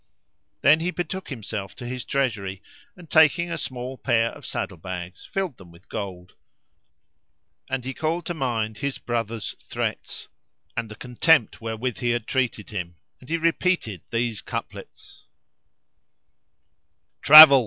Then he betook himself to his treasury and, taking a small pair of saddle bags, filled them with gold; and he called to mind his brother's threats and the contempt wherewith he had treated him, and he repeated these couplets:— "Travel!